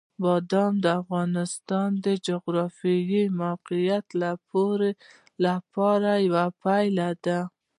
بادام د افغانستان د جغرافیایي موقیعت پوره یوه پایله ده.